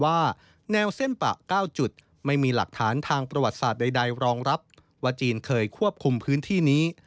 ว่าแนวเส้นปะ๙จุดไม่มีหลักฐานทางประวัติศาสตร์ใดรองรับว่าจีนเคยควบคุมพื้นที่นี้